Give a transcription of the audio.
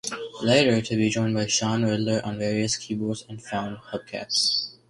Later to be joined by Sean the Riddler, on various keyboards and found hubcaps.